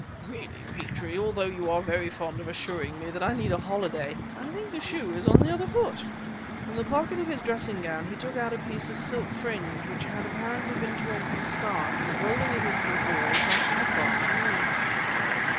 Really, Petrie, although you are very fond of assuring me that I need a holiday, I think the shoe is on the other foot!" From the pocket of his dressing gown, he took out a piece of silk fringe which had apparently been torn from a scarf, and rolling it into a ball, tossed it across to me.